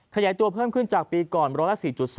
ขยายตัวเพิ่มขึ้นจากปีก่อน๑๐๔๒